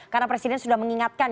karena presiden sudah mengingatkan